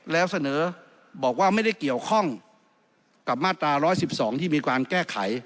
แล้วเสนอบอกว่าไม่ได้เกี่ยวข้องกับมาตรา๑๑๒ที่มีการแก้ไข